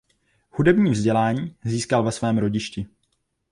Hudební vzdělání získal ve svém rodišti.